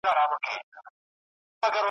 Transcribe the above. د هغوی به همېشه خاوري په سر وي `